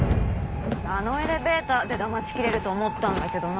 あのエレベーターでだましきれると思ったんだけどな。